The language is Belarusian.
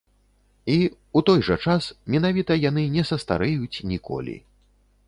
І, у той жа час, менавіта яны не састарэюць ніколі.